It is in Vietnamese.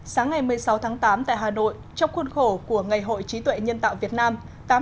sáng ngày một mươi sáu tháng tám tại hà nội trong khuôn khổ của ngày hội trí tuệ nhân tạo việt nam